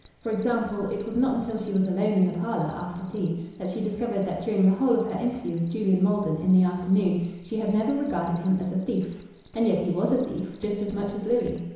For example, it was not until she was alone in the parlour after tea that she discovered that during the whole of her interview with Julian Maldon in the afternoon she had never regarded him as a thief. And yet he was a thief just as much as Louis!